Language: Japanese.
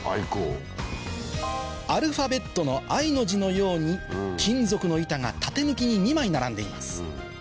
アルファベットのＩの字のように金属の板が縦向きに２枚並んでいます